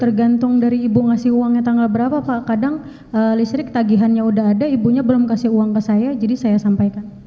tergantung dari ibu ngasih uangnya tanggal berapa pak kadang listrik tagihannya udah ada ibunya belum kasih uang ke saya jadi saya sampaikan